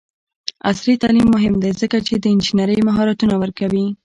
عصري تعلیم مهم دی ځکه چې د انجینرۍ مهارتونه ورکوي.